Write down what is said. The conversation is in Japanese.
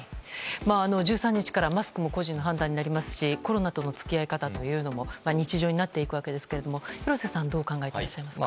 １３日からマスクも個人の判断になりますしコロナとの付き合い方というのも日常になっていきますが廣瀬さんはどう考えていらっしゃいますか？